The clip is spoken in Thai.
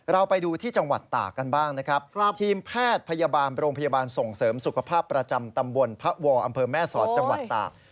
เราไปดูที่จังหวัดตากกันบ้างนะครับทีมแพทย์พยาบาลโรงพยาบาลส่งเสริมสุขภาพประจำตำบลพระวออำเภอแม่สอดจังหวัดตาก